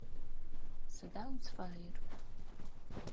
Сыда узыфаер?